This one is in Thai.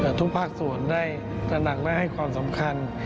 เพื่อให้ทุกภาคส่วนได้นำหนักให้ความสำคัญ